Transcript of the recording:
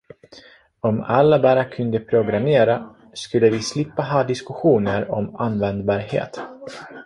Om alla bara kunde programmera skulle vi slippa ha diskussioner om användbarhet